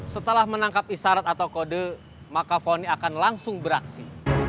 setelah menangkap isarat atau kode maka foni akan langsung beraksi